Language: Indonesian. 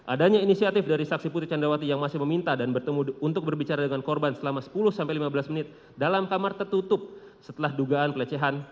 adanya inisiatif dari saksi putri candrawati yang masih meminta dan bertemu untuk berbicara dengan korban selama sepuluh sampai lima belas menit dalam kamar tertutup setelah dugaan pelecehan